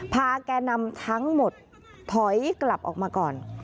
แก่นำทั้งหมดถอยกลับออกมาก่อน